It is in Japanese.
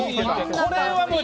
これは無理。